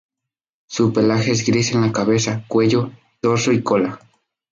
Su pelaje es gris en la cabeza, cuello, dorso y cola.